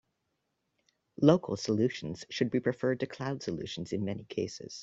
Local solutions should be preferred to cloud solutions in many cases.